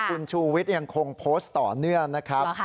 คุณชูวิทย์ยังคงโพสต์ต่อเนื่องนะครับ